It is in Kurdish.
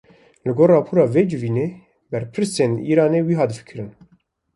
Li gor rapora vê civînê, berpirsên Îranê wiha difikirin